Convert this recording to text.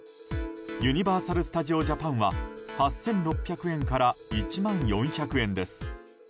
ユニバーサル・スタジオ・ジャパンは８６００円から１万４００円です。